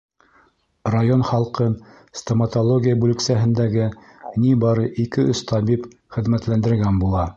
Район халҡын стоматология бүлексәһендәге ни бары ике-өс табип хеҙмәтләндергән була.